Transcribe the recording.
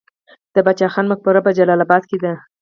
د باچا خان مقبره په جلال اباد کې ده